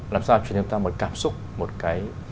làm sao cho nhân ta một cảm xúc một cái